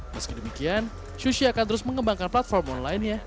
meski demikian syushi akan terus mengembangkan platform online ya